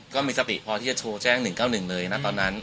ก็มีสติพอที่จะโทรแจ้ง๑๙๑เลยนะตอนนั้น